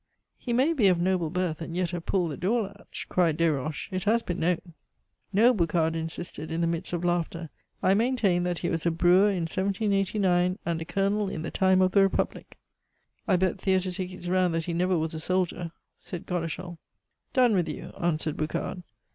"He may be of noble birth, and yet have pulled the doorlatch," cried Desroches. "It has been known!" "No," Boucard insisted, in the midst of laughter, "I maintain that he was a brewer in 1789, and a colonel in the time of the Republic." "I bet theatre tickets round that he never was a soldier," said Godeschal. "Done with you," answered Boucard.